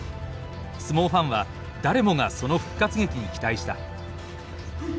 相撲ファンは誰もがその復活劇に期待した。